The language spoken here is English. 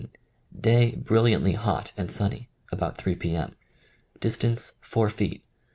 Day brilliantly hot and sunny. About 3 p. m. Distance: 4 feet.